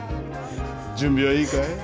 準備はいいかい？